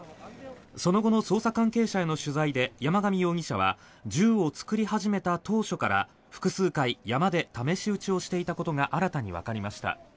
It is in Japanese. その後の捜査関係者への取材で山上容疑者は銃を作り始めた当初から山の中で複数回試し撃ちをしていたことが新たにわかりました。